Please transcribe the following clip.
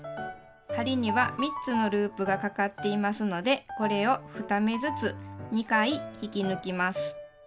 針には３つのループがかかっていますのでこれを２目ずつ２回引き抜きます。